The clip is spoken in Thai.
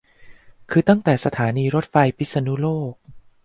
คือตั้งแต่สถานีรถไฟพิษณุโลก